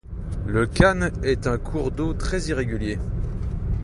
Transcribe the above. La Kan est un cours d'eau très irrégulier.